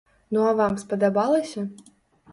Ну а вам спадабалася?